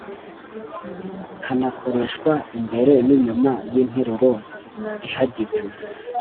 kanakoreshwa imbere n‟inyuma y‟interuro ihagitse.